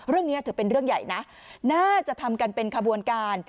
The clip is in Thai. เรื่องนี้ถือเป็นเรื่องใหญ่นะน่าจะทำกันเป็นขบวนการ